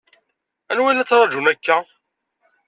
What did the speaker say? Anwa i la ttṛaǧun akka?